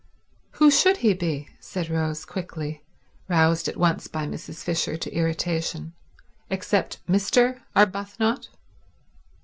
"Who should he be," said Rose quickly, roused at once by Mrs. Fisher to irritation, "except Mr. Arbuthnot?"